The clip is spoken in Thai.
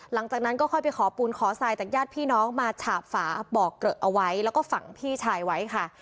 หลังจากนั้นก็ค่อยไปขอปูนขอทรายจากญาติพี่น้องมาฉาบฝาบอกเกลอะเอาไว้แล้วก็ฝังพี่ชายไว้ค่ะ